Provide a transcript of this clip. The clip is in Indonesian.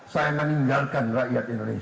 saya meninggalkan rakyat indonesia